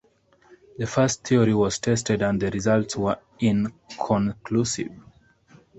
The first theory was tested and the results were inconclusive.